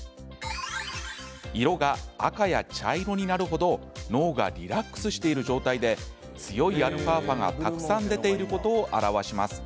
色が赤や茶色になる程脳がリラックスしている状態で強いα波がたくさん出ていることを表します。